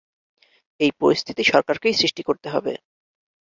এই পরিস্থিতি সরকারকেই সৃষ্টি করতে হবে।